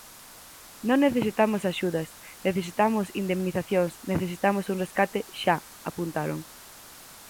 "Non necesitamos axudas, necesitamos indemnizacións, necesitamos un rescate xa", apuntaron.